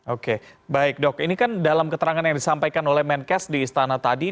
oke baik dok ini kan dalam keterangan yang disampaikan oleh menkes di istana tadi